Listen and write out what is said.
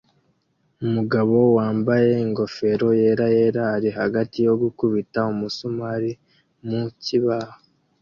Umugabo wambaye ingofero yera yera ari hagati yo gukubita umusumari mu kibaho